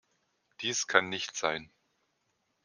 Dies kann nicht sein.